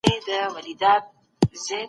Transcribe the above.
عدل د هر حکومت لپاره ضرور دی.